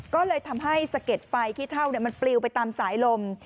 ก็เลยทำให้สะเก็ดไฟขี้เท่ามันปลิวไปตามสายลม